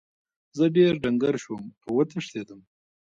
زه ډیر ډنګر شوم او وتښتیدم.